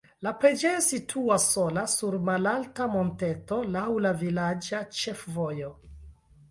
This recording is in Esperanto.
La preĝejo situas sola sur malalta monteto laŭ la vilaĝa ĉefvojo.